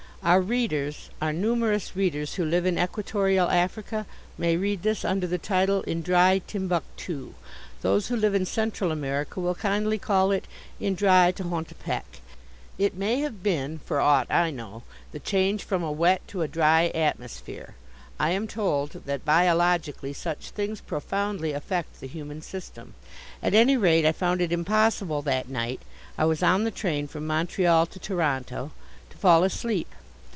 Our readers our numerous readers who live in Equatorial Africa, may read this under the title "In Dry Timbucto"; those who live in Central America will kindly call it "In Dry Tehauntepec." It may have been, for aught I know, the change from a wet to a dry atmosphere. I am told that, biologically, such things profoundly affect the human system. At any rate I found it impossible that night I was on the train from Montreal to Toronto to fall asleep.